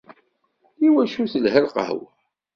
I wacu i telha lqahwa?